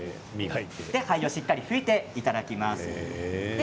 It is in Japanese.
灰をしっかり拭いていただきます。